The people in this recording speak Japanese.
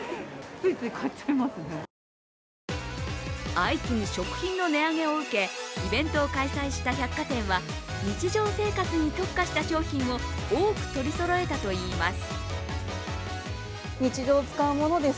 相次ぐ食品の値上げを受けイベントを開催した百貨店は日常生活に特化した商品を多く取りそろえたといいます。